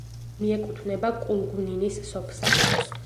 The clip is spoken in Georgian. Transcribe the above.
მიეკუთვნება კულგუნინის სოფსაბჭოს.